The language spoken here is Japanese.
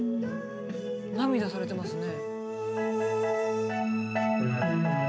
涙されてますね。